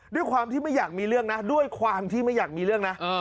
ด้วยความที่ไม่อยากมีเรื่องนะด้วยความที่ไม่อยากมีเรื่องนะ